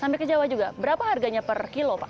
sampai ke jawa juga berapa harganya per kilo pak